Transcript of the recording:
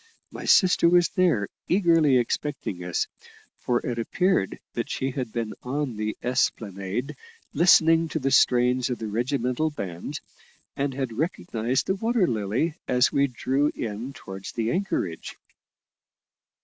My sister was there, eagerly expecting us; for it appeared that she had been on the Esplanade listening to the strains of the regimental band, and had recognised the Water Lily as we drew in towards the anchorage.